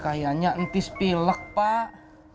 kayaknya ntis pilek pak